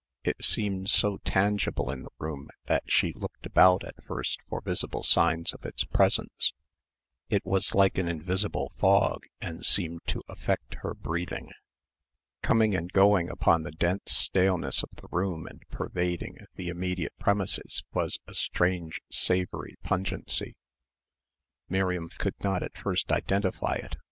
It seemed so tangible in the room that she looked about at first for visible signs of its presence. It was like an invisible dry fog and seemed to affect her breathing. Coming and going upon the dense staleness of the room and pervading the immediate premises was a strange savoury pungency. Miriam could not at first identify it.